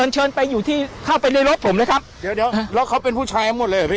เชิญไปอยู่ที่เข้าไปในรถผมเลยครับเดี๋ยวเดี๋ยวแล้วเขาเป็นผู้ชายหมดเลยเหรอพี่